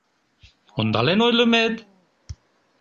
Ондален ойлымет?